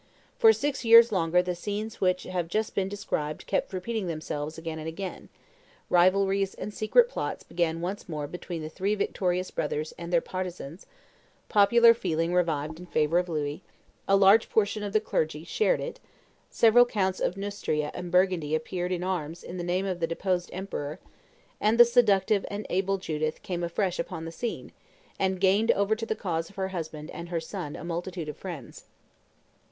For six years longer the scenes which have just been described kept repeating themselves again and again; rivalries and secret plots began once more between the three victorious brothers and their partisans; popular feeling revived in favor of Louis; a large portion of the clergy shared it; several counts of Neustria and Burgundy appeared in arms in the name of the deposed emperor; and the seductive and able Judith came afresh upon the scene, and gained over to the cause of her husband and her son a multitude of friends.